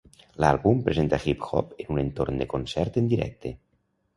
L'àlbum presenta hip hop en un entorn de concert en directe.